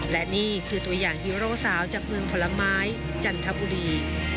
และนี่คือตัวอย่างฮีโร่สาวจากเมืองผลไม้จันทบุรี